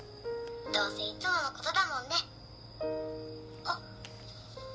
どうせいつものことだもんねあっ